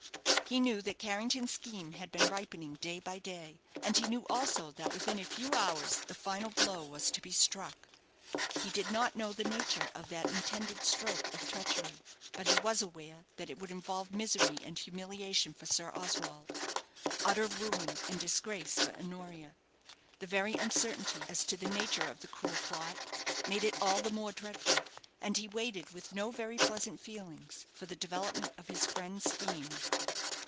He knew that Carrington's scheme had been ripening day by day; and he knew also that within a few hours the final blow was to be struck. He did not know the nature of that intended stroke of treachery; but he was aware that it would involve misery and humiliation for Sir Oswald, utter ruin and disgrace for Honoria. The very uncertainty as to the nature of the cruel plot made it all the more dreadful; and he waited with no very pleasant feelings for the development of his friend's scheme.